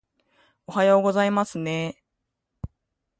おはようございますねー